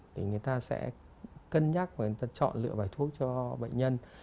thì người ta sẽ cân nhắc và người ta chọn lựa bài thuốc cho bệnh nhân